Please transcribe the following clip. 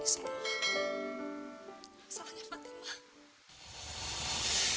ini semua salahnya fatimah